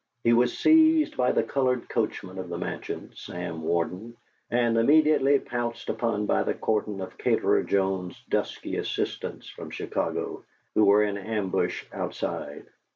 He was seized by the colored coachman of the Mansion, Sam Warden, and immediately pounced upon by the cordon of Caterer Jones's dusky assistants from Chicago, who were in ambush outside.